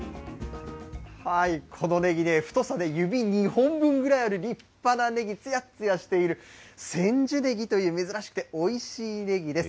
このねぎね、太さで指２本分ぐらいある立派なねぎ、つやっつやしている、千寿ねぎという、珍しくて、おいしいねぎです。